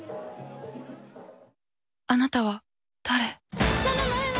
あなたは、誰？